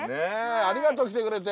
ありがとう来てくれて。